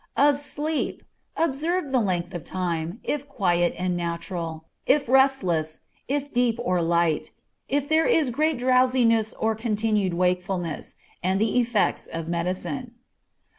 Of sleep. Observe the length of time, if quiet and natural, if restless, if deep or light, if there is great drowsiness or continued wakefulness, and the effects of medicine.